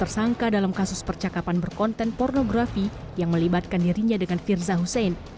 tersangka dalam kasus percakapan berkonten pornografi yang melibatkan dirinya dengan firza husein